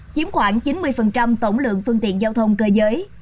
chiếm khoảng chín mươi tổng lượng phương tiện giao thông cơ giới